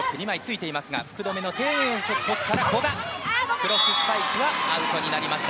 クロススパイクはアウトになりました。